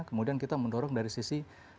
kemudian kita mendorong dari sisi